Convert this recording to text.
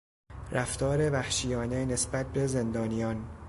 رفتار وحشیانه نسبت به زندانیان